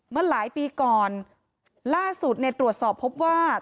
เมื่อหลายปีก่อนล่าสุดเนี่ยตรวจสอบพบว่า